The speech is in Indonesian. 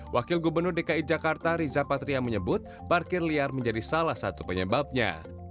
wakil gubernur dki jakarta riza patria menyebut parkir liar menjadi salah satu penyebabnya